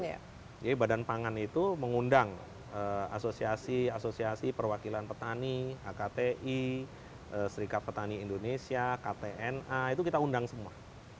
jadi badan pangan itu mengundang asosiasi asosiasi perwakilan petani akti serikat petani indonesia ktna itu kita undang semua